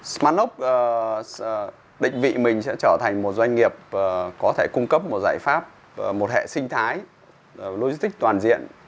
smartlock định vị mình sẽ trở thành một doanh nghiệp có thể cung cấp một giải pháp một hệ sinh thái logistics toàn diện